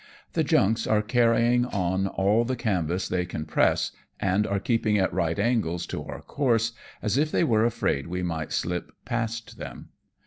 The junks are carrying on all the canvas they can press, and are keeping at right angles to our coursBj as if they were afraid we might slip past them.